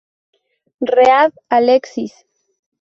Read, Alexis.